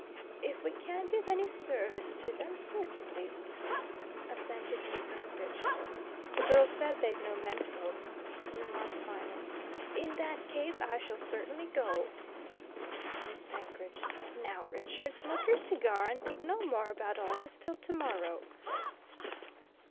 "If we can be of any service to them? certainly," assented Miss Penkridge. "The girl said they'd no men folk," remarked Viner. "In that case I shall certainly go," said Miss Penkridge. "Now, Richard, smoke your cigar, and think no more about all this till tomorrow."